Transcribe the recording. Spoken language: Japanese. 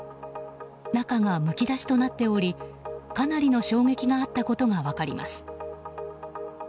中がむき出しとなっておりかなりの衝撃があったことが分かります。